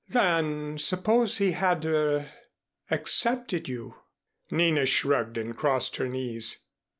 "Then suppose he had er accepted you?" Nina shrugged and crossed her knees.